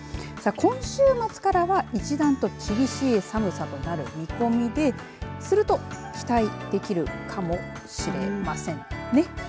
今週末からは一段と厳しい寒さとなる見込みですると、期待できるかもしれませんね。